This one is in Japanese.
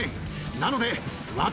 なので私